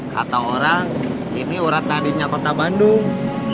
kata orang ini urat nadinya kota bandung